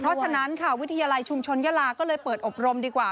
เพราะฉะนั้นค่ะวิทยาลัยชุมชนยาลาก็เลยเปิดอบรมดีกว่า